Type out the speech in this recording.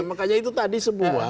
makanya itu tadi semua